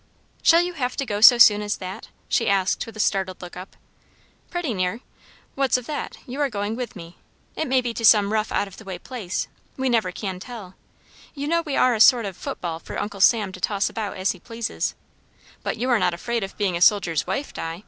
"Shall you have to go so soon as that?" she asked with a startled look up. "Pretty near. What of that? You are going with me. It may be to some rough out of the way place; we never can tell; you know we are a sort of football for Uncle Sam to toss about as he pleases; but you are not afraid of being a soldier's wife, Di?"